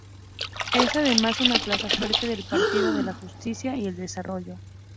Es, además, una plaza fuerte del Partido de la Justicia y el Desarrollo.